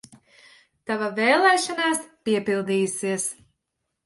Tava vēlēšanās piepildījusies!